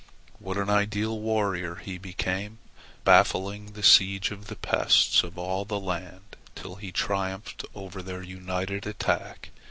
What an ideal warrior he became, baffling the siege of the pests of all the land till he triumphed over their united attack.